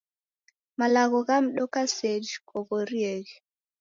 Malagho ghamdoka sejhi koghorieghe